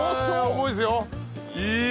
重いですよ。